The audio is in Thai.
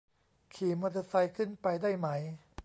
ขี่มอเตอร์ไซค์ขึ้นไปได้ไหม